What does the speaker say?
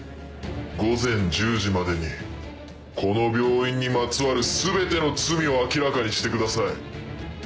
午前１０時までにこの病院にまつわる全ての罪を明らかにしてください。